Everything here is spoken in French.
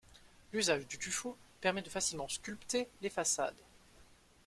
L’usage du tuffeau permet de facilement sculpter les façades.